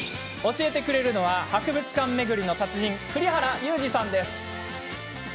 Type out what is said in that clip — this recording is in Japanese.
教えてくれるのは博物館巡りの達人栗原祐司さんです。